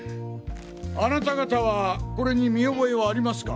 あなた方はこれに見覚えはありますか？